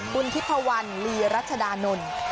คุณทิพวัณธ์ลีรัชดานนท์